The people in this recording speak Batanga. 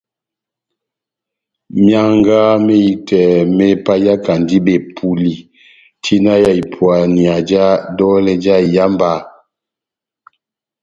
Mianga mehitɛ me paiyakandi bepuli tina ya ipuania ja dolɛ já iyamba